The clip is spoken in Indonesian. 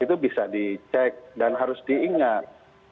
itu bisa dicek dan harus diingat